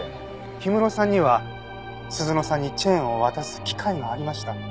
氷室さんには鈴乃さんにチェーンを渡す機会がありました。